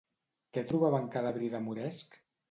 Què trobava en cada bri de moresc?